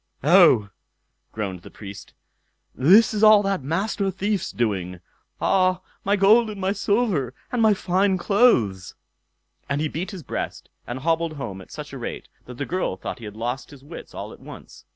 "Oh!" groaned the Priest, "this is all that Master Thief's doing. Ah! my gold and my silver, and my fine clothes." And he beat his breast, and hobbled home at such a rate that the girl thought he had lost his wits all at once.